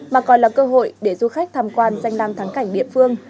mà còn là cơ hội để du khách tham quan danh lam thắng cảnh địa phương